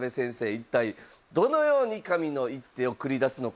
一体どのように神の一手を繰り出すのか。